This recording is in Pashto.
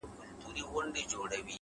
پرمختګ د ثابتو اصولو ملګری دی،